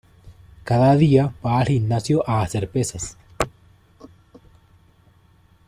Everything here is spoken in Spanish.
Cada día va al gimnasio a hacer pesas.